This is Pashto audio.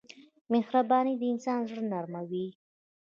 مهرباني د انسان زړه نرموي.